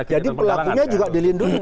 jadi pelakunya juga dilindungi